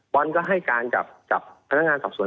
บอลก็ให้การกับพนักงานสอบสวน